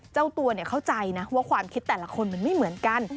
เจ้าตัวเข้าใจนะว่าความคิดแต่ละคนมันไม่เหมือนกัน